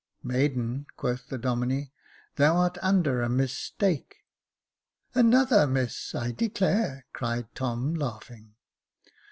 " Maiden," quoth the Domine, " thou art under a mis take." " Another miss, I declare," cried Tom, laughing.